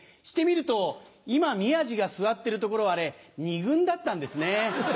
してみると今宮治が座ってるところはあれ２軍だったんですねぇ。